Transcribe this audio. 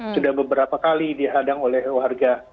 sudah beberapa kali dihadang oleh warga